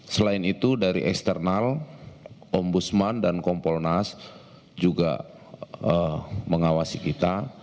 selain itu dari eksternal ombudsman dan kompolnas juga mengawasi kita